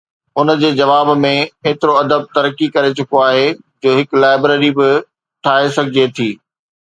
ان جي جواب ۾ ايترو ادب ترقي ڪري چڪو آهي جو هڪ لائبريري به ٺاهي سگهجي ٿي.